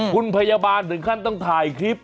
คุณพยาบาลถึงขั้นต้องถ่ายคลิป